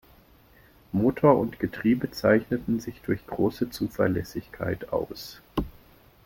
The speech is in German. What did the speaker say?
Motor und Getriebe zeichneten sich durch große Zuverlässigkeit aus.